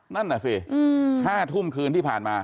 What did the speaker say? นั่นน่ะสิ๕ทุ่มคืนที่ผ่านมา